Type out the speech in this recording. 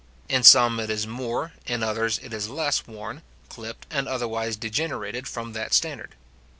In some it is more, in others it is less worn, clipt, and otherwise degenerated from that standard.